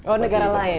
oh negara lain